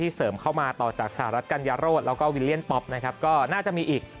ที่เสริมเข้ามาต่อจากสหรัฐกันยารโรงและวิเรียนค์ป๊อปน่าจะมีอีก